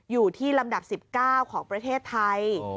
อยู่ที่ลำดับ๑๙ของประเทศไทย